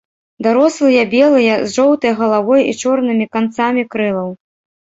Дарослыя белыя, з жоўтай галавой і чорнымі канцамі крылаў.